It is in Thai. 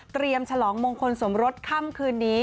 เตรียมฉลองมงคลสมรสค่ำคืนนี้